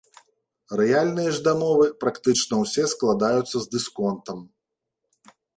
Рэальныя ж дамовы практычна ўсе складаюцца з дысконтам.